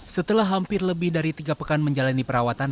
setelah hampir lebih dari tiga pekan menjalani perawatan